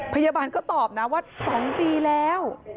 พยาบาลก็ตอบนะว่า๒ปีแล้ว